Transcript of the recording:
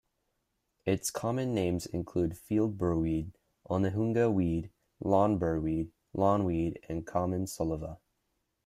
Its common names include field burrweed, Onehunga-weed, lawn burrweed, lawnweed, and common soliva.